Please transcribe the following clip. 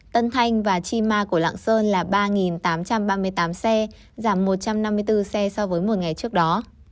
tân thanh và chi ma của lạng sơn là ba tám trăm ba mươi tám xe giảm một trăm năm mươi bốn xe so với một ngày trước đó